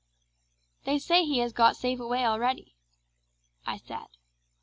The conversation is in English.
"'They say he has got safe away already,' I said.